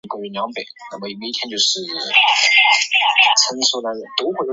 以及巴布亚新几内亚最大的村庄哈努阿巴达渔村。